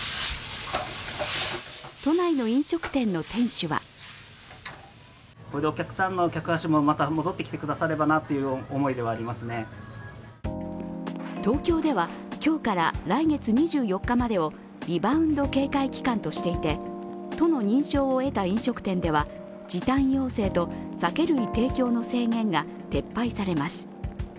都内の飲食店の店主は東京では今日から来月２４日までをリバウンド警戒期間としていて都の認証を得た飲食店では時短要請と酒類提供の制限が撤廃されます。